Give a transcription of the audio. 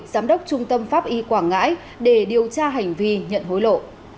giám đốc trung tâm pháp y quảng ngãi để điều tra hành vi nhận hối lộ